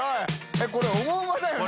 えっこれ「オモウマ」だよね？